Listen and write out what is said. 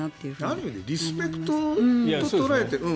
ある意味でリスペクトと捉えて。